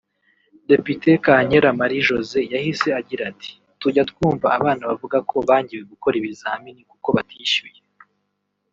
Depite Kankera Marie Josée yahise agira ati “Tujya twumva abana bavuga ko bangiwe gukora ibizamini kuko batishyuye